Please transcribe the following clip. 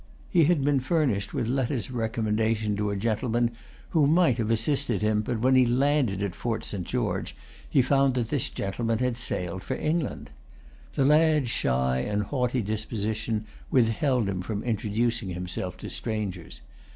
He had been furnished with letters of recommendation to a gentleman who might have assisted him; but when he landed at Fort St. George he found that this gentleman had sailed for England. The lad's shy and haughty disposition withheld him from introducing himself to strangers.